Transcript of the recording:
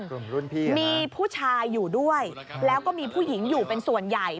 รุ่นพี่มีผู้ชายอยู่ด้วยแล้วก็มีผู้หญิงอยู่เป็นส่วนใหญ่